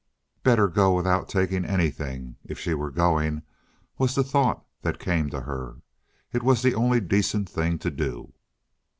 Better go without taking anything, if she were going, was the thought that came to her. It was the only decent thing to do.